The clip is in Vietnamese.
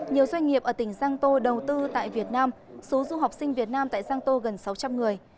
nhiều doanh nghiệp ở tỉnh giang tô đầu tư tại việt nam số du học sinh việt nam tại giang tô gần sáu trăm linh người